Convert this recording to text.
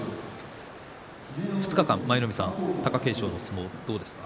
２日間、舞の海さん貴景勝の相撲はどうですか？